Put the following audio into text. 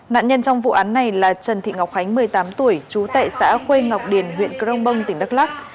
nạn nhân trong vụ án này là trần thị ngọc khánh một mươi tám tuổi chú tệ xã khuê ngọc điền huyện crong bông tỉnh đắk lắk